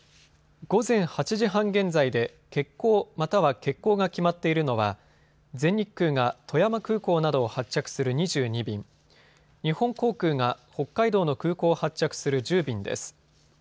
午前８時半現在で欠航、または欠航が決まっているのは全日空が富山空港などを発着する２２便、日本航空が北海道の空港を発着する１０便です。